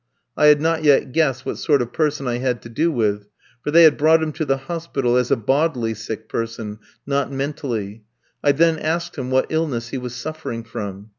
I had not yet guessed what sort of person I had to do with, for they had brought him to the hospital as a bodily sick person, not mentally. I then asked him what illness he was suffering from.